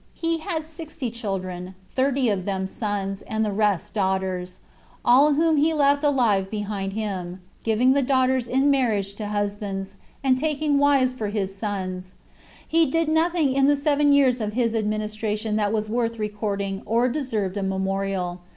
He had sixty children, thirty of them sons, and the rest daughters; all whom he left alive behind him, giving the daughters in marriage to husbands, and taking wives for his sons. He did nothing in the seven years of his administration that was worth recording, or deserved a memorial.